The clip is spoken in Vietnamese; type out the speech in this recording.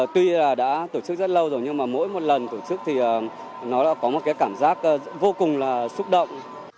tuy là đã tổ chức rất lâu rồi nhưng mà mỗi một lần tổ chức thì nó đã có một cái cảm giác vô cùng là xúc động